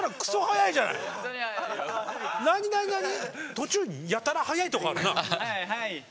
途中やたら速いとこあるな。